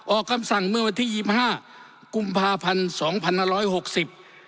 ออกคำสั่งเมื่อวันที่๒๕กุมภาพันธุ์๒๑๖๐